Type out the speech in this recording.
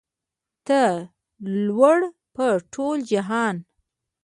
ته لوړ په ټول جهان